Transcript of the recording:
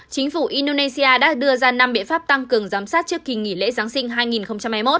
chính phủ indonesia đã đưa ra năm biện pháp tăng cường giám sát trước kỳ nghỉ lễ giáng sinh